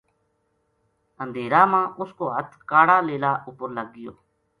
اندھیرا ما اس کو ہتھ کاڑا لیلا اپر لگ گیو